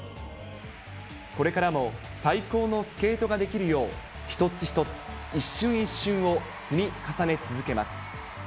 これからも、最高のスケートができるよう、一つ一つ、一瞬一瞬を積み重ね続けます。